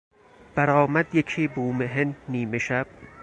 برآمد یکی بومهن نیمه شب